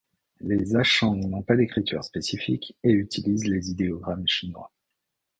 Les Achang n'ont pas d'écriture spécifique, et utilisent les idéogrammes chinois.